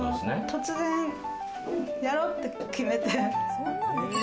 突然やろう！って決めて。